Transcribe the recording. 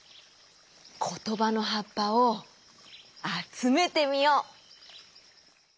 ことばのはっぱをあつめてみよう！